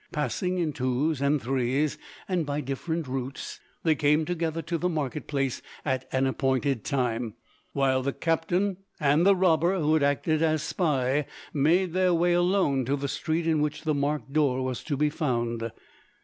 Passing in by twos and threes, and by different routes, they came together to the market place at an appointed time, while the captain and the robber who had acted as spy made their way alone to the street in which the marked door was to be found.